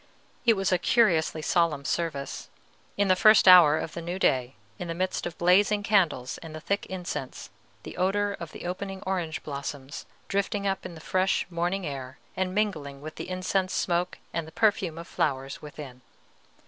It was a curiously solemn service, in the first hour of the new day, in the midst of blazing candles and the thick incense, the odor of the opening orange blooms drifting up in the fresh morning air, and mingling with the incense smoke and the perfume of flowers within.